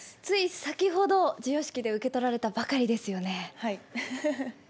つい先ほど授与式で受け取られたばかりですよね。